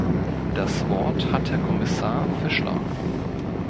Das Wort hat Herr Kommissar Fischler.